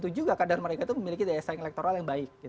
itu juga kadar mereka itu memiliki daya saing elektoral yang baik